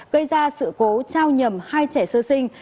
gây ra sự cố trao nhầm hai trẻ sơ sinh